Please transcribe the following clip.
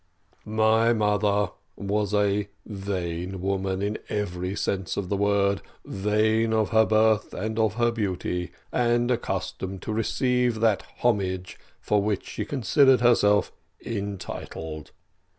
"My mother was a vain woman in every sense of the word vain of her birth and of her beauty, and accustomed to receive that homage to which she considered herself entitled.